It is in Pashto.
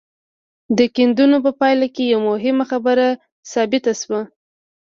د کيندنو په پايله کې يوه مهمه خبره ثابته شوه.